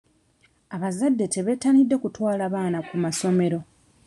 Abazadde tebettanidde kutwala baana ku masomero.